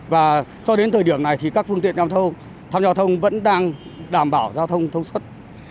và cho đến thời điểm này thì các phương tiện giao thông tham gia giao thông vẫn đang đảm bảo giao thông thông suốt